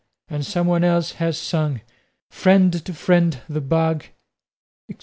And some one else has sung Friend to friend the bug, etc.